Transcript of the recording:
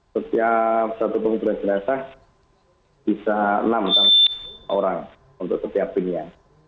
setiap satu pengumpulan jenazah bisa enam orang untuk setiap timnya